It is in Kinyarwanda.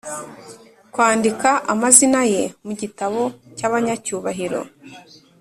kwandika amazina ye mu gitabo cy’abanyacyubahiro,